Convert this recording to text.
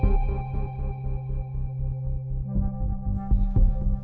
sekarang kita kemana